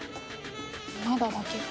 まだだけど。